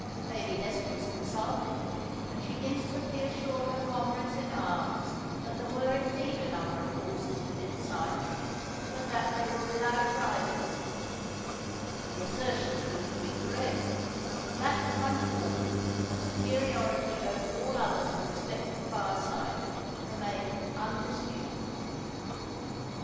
Lady Hester was consulted, and she instantly assured her comrades in arms that there were indeed a number of horses within sight, but that they were without riders: the assertion proved to be correct, and from that time forth her superiority over all others in respect of far sight remained undisputed."